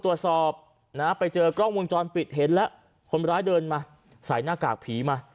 ตรวจสอบนะฮะไปเจอกล้องวงจรปิดเห็นแล้วคนร้ายเดินมาใส่หน้ากากผีมา